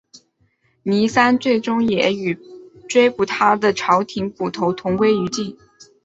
倪三最终也与追捕他的朝廷捕头同归于尽。